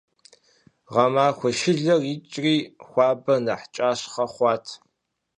Гъэмахуэ шылэр икӀри, хуабэр нэхъ кӀащхъэ хъуат.